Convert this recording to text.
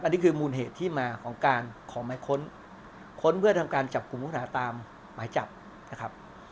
อันนี้คือมูลเหตุที่มาของการขอหมายค้นค้นเพื่อทำการจับกลุ่มผู้ต้องหาตามหมายจับนะครับ